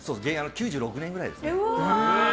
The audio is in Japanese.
９６年くらいですね。